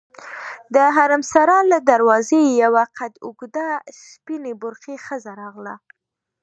د حرم سرا له دروازې یوه قد اوږده سپینې برقعې ښځه راغله.